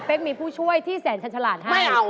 เป๊กมีผู้ช่วยที่แสนฉลาดให้